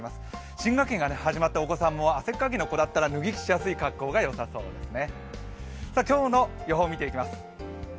新学期が始まったお子さんも汗かきの子だったら脱ぎ着しやすい格好がよさそうですね。